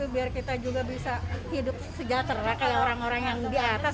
biar kita juga bisa hidup sejahtera kayak orang orang yang di atas